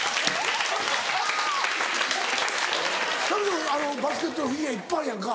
君バスケットのフィギュアいっぱいあるやんか。